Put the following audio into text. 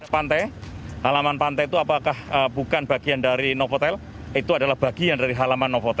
pantai halaman pantai itu apakah bukan bagian dari novotel itu adalah bagian dari halaman novotel